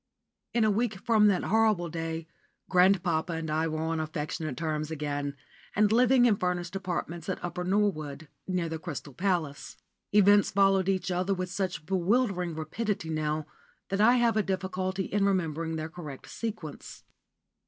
*_ In a week from that horrible day grandpapa and I were on affectionate terms again, and living in furnished apartments at Upper Norwood, near the Crystal Palace. Events followed each other with such bewildering rapidity now, that I have a difficulty in remembering their correct sequence.